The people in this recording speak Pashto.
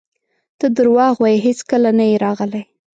ته درواغ وایې هیڅکله نه یې راغلی!